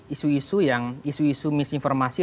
isu isu yang misinformasi